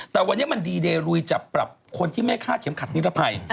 แต่วันนี้มันดีเดลุยจับปรับคนที่ไม่คาดเข็มขัดนิรภัย